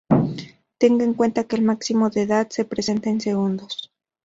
Tenga en cuenta que el máximo de edad se presenta en segundos.